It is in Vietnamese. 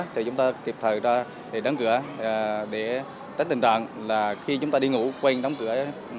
thì chúng ta tiệp thở ra để đóng cửa để tất tình trạng là khi chúng ta đi ngủ quên đóng cửa